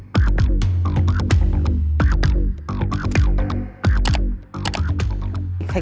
มีหากว่ามีใครงั้นจะอยู่เต็มหรือไม่